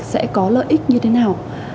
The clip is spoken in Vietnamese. sẽ có lợi ích như thế nào